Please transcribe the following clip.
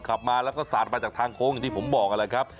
ขับมาหากก็สาดมาจากทางโค้งอย่างที่ผมบอกอะไรครับ